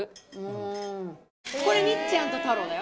これみっちゃんと太郎だよ。